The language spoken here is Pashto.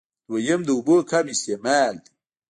دويم د اوبو کم استعمال دی